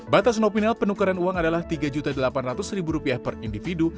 batas nominal penukaran uang adalah rp tiga delapan ratus per individu